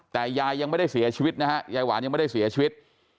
แต่ยายยังไม่ได้เสียชีวิตนะฮะยายหวานยังไม่ได้เสียชีวิต